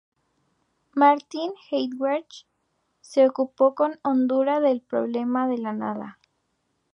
Martin Heidegger se ocupó con hondura del problema de la nada.